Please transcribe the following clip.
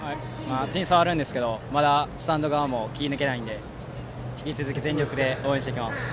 点差はあるんですけどまだスタンド側も気が抜けないので引き続き全力で応援していきます。